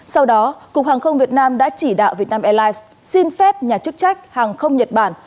sau đó cục hàng không việt nam đã chỉ đạo việt nam airlines xin phép nhà chức trách hàng không nhật bản